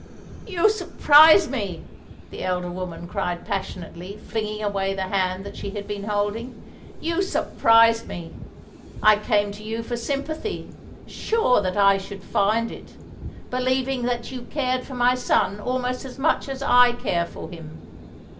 "You surprise me," the elder woman cried passionately, flinging away the hand that she had been holding. "You surprise me. I came to you for sympathy, sure that I should find it, believing that you cared for my son almost as much as I care for him.